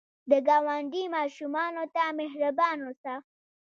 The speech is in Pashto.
د ګاونډي ماشومانو ته مهربان اوسه